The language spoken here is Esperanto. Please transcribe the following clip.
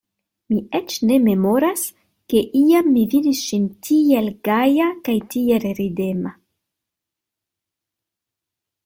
Mi eĉ ne memoras, ke iam mi vidis ŝin tiel gaja kaj tiel ridema.